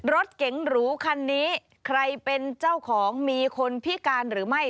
รถเก๋งหรูคันนี้ใครเป็นเจ้าของมีคนพิการหรือไม่